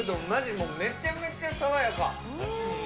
もう、めちゃめちゃ爽やか。